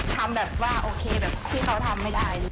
ทำแบบว่าโอเคแบบที่เขาทำไม่ได้